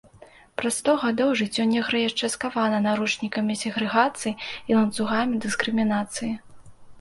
Праз сто гадоў жыццё негра яшчэ скавана наручнікамі сегрэгацыі і ланцугамі дыскрымінацыі.